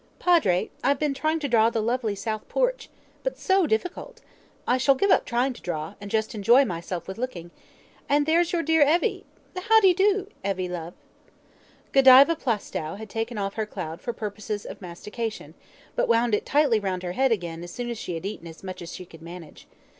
Padre, I've been trying to draw the lovely south porch. But so difficult! I shall give up trying to draw, and just enjoy myself with looking. And there's your dear Evie! How de do, Evie love?" Godiva Plaistow had taken off her cloud for purposes of mastication, but wound it tightly round her head again as soon as she had eaten as much as she could manage.